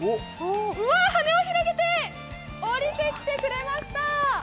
羽を広げて降りてきてくれました！